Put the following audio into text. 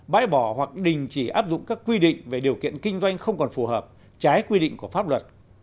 bãi bỏ hoặc đình chỉ áp dụng các quy định về điều kiện kinh doanh không còn phù hợp trái quy định của pháp luật